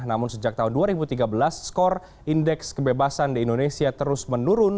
namun sejak tahun dua ribu tiga belas skor indeks kebebasan di indonesia terus menurun